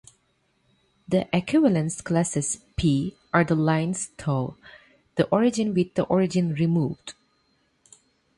The equivalence classes, "p", are the lines through the origin with the origin removed.